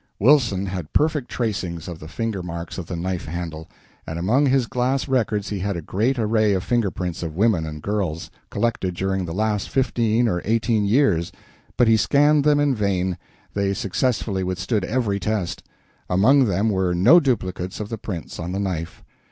Wilson had perfect tracings of the finger marks of the knife handle; and among his glass records he had a great array of finger prints of women and girls, collected during the last fifteen or eighteen years, but he scanned them in vain, they successfully withstood every test; among them were no duplicates of the prints on the knife.